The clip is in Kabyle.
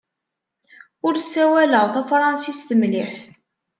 Ur ssawaleɣ tafṛensist mliḥ!